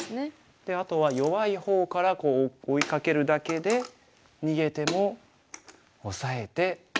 であとは弱い方から追いかけるだけで逃げてもオサえて。